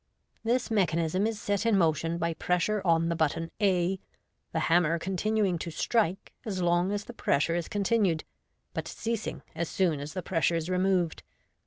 This mechanism is ^et in motion by pressure on the button a, the hammer con tinuing to strike as long as the pressure is continued, but ceasing as soon as the pres sure is removed.